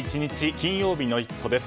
金曜日の「イット！」です。